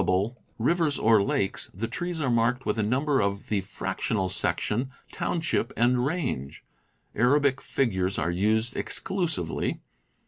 200 CAMPING AND WOODCRAFT rivers or lakes the trees are marked with the number of the fractional section, township, and range. Arabic figures are used exclusively.